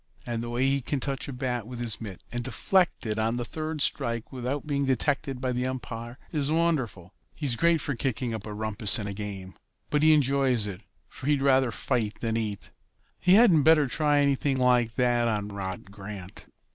And the way he can touch a bat with his mitt and deflect it on the third strike without being detected by the umpire is wonderful. He's great for kicking up a rumpus in a game; but he enjoys it, for he'd rather fight than eat." "He hadn't better try anything like that on Rod Grant."